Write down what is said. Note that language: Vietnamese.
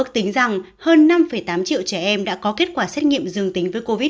tính rằng hơn năm tám triệu trẻ em đã có kết quả xét nghiệm dương tính với covid một mươi